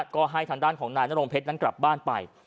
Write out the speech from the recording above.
ก็ให้ทางด้านของนายนรงเพชรนั้นกลับบ้านไป